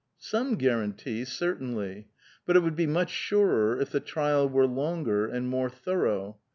Some guarantee, certainly ; but it would be much surer if the trial were longer and more thorough.